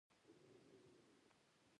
ملیاره تا نه اجازه غواړم